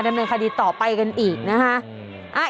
ดำเนินคดีต่อไปกันอีกนะคะ